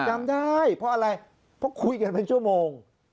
จำได้เพราะอะไรเพราะคุยกันเป็นชั่วโมง